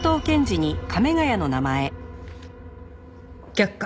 却下。